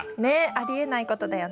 ありえない事だよね？